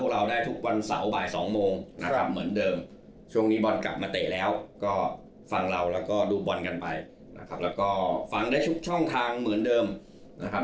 เราดูบอลกันไปนะครับแล้วก็ฟังได้ช่วงทางเหมือนเดิมนะครับ